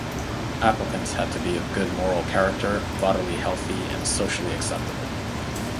Applicants had to be of good moral character, bodily healthy and socially acceptable.